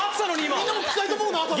みんなも聞きたいと思うな。